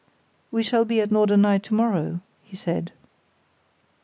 "We shall be at Norderney to morrow," he said.